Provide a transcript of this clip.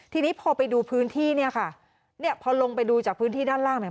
ทีนี้พอไปดูพื้นที่เนี่ยค่ะเนี่ยพอลงไปดูจากพื้นที่ด้านล่างเนี่ย